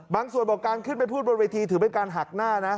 บอกการขึ้นไปพูดบนเวทีถือเป็นการหักหน้านะ